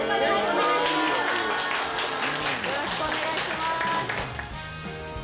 よろしくお願いします